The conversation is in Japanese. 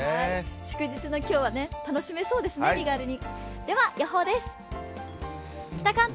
祝日の今日は楽しめそうですね、身軽に。